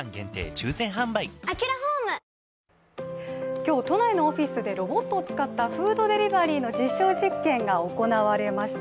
今日、都内のオフィスでロボットを使ったフードデリバリーの実証実験が行われました。